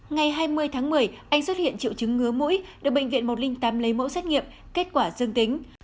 ngày hai mươi tháng một mươi anh xuất hiện triệu chứng ngứa mũi được bệnh viện một trăm linh tám lấy mẫu xét nghiệm kết quả dương tính